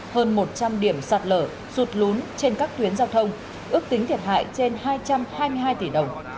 hơn một trăm linh điểm sạt lở sụt lún trên các tuyến giao thông ước tính thiệt hại trên hai trăm hai mươi hai tỷ đồng